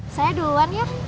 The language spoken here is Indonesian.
saya duluan ya